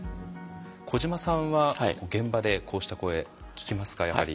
小島さんは現場でこうした声聞きますかやはり。